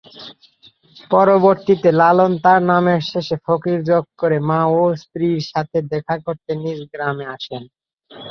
পরবর্তীতে লালন তার নামের শেষে ফকির যোগ করে মা ও স্ত্রীর সাথে দেখা করতে নিজ গ্রামে আসেন।